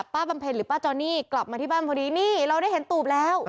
บำเพ็ญหรือป้าจอนี่กลับมาที่บ้านพอดีนี่เราได้เห็นตูบแล้ว